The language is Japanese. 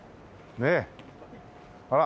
ねえほら。